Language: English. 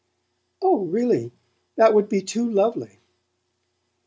"Oh, really? That would be too lovely!"